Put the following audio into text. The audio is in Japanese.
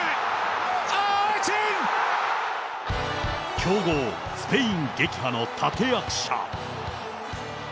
強豪、スペイン撃破の立て役者。